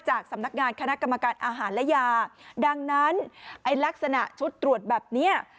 สำนักงานคณะกรรมการอาหารและยาดังนั้นไอ้ลักษณะชุดตรวจแบบเนี้ย